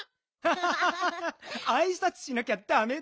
ハハハあいさつしなきゃダメだね。